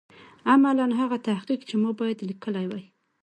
عملاً هغه تحقیق چې ما باید لیکلی وای.